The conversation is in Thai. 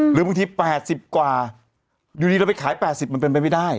หรือบางที๘๐กว่าอยู่ดีเราไปขาย๘๐มันเป็นไปไม่ได้